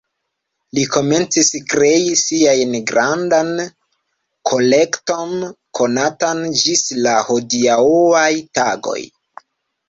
Li komencis krei sian grandan kolekton, konatan ĝis la hodiaŭaj tagoj.